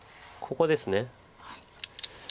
ここですね。